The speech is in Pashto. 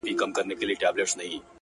• نه پوهېږم ورکه کړې مي ده لاره ,